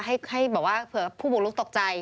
ให้แบบว่าเผื่อผู้บุกลุกตกใจ